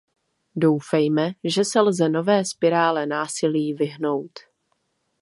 Doufejme, že se lze nové spirále násilí vyhnout.